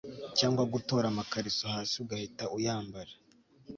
cyangwa gutora amakariso hasi ugahita uyambara